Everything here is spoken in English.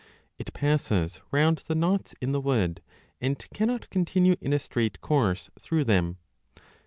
It passes round the knots in the wood and cannot continue in a straight course through them.